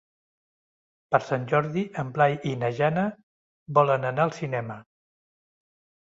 Per Sant Jordi en Blai i na Jana volen anar al cinema.